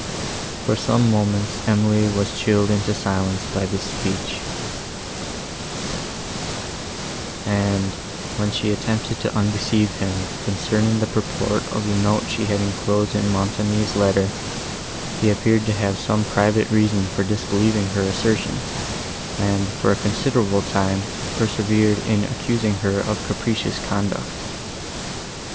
For some moments Emily was chilled into silence by this speech; and, when she attempted to undeceive him, concerning the purport of the note she had inclosed in Montoni's letter, he appeared to have some private reason for disbelieving her assertion, and, for a considerable time, persevered in accusing her of capricious conduct.